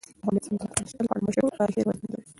افغانستان د ځمکنی شکل په اړه مشهور تاریخی روایتونه لري.